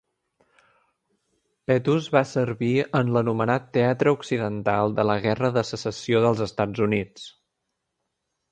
Pettus va servir en l'anomenat "teatre occidental" de la Guerra de Secessió dels Estats Units.